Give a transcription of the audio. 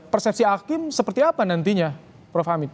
persepsi hakim seperti apa nantinya prof hamid